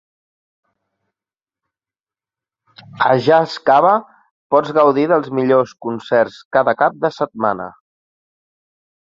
A Jazz Cava pots gaudir dels millors concerts cada cap de setmana.